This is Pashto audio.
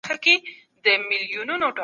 ګراني! اوس دي